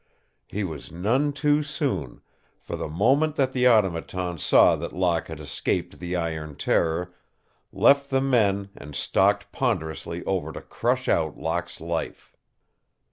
He was none too soon, for the moment that the Automaton saw that Locke had escaped the iron terror left the men and stalked ponderously over to crush out Locke's life.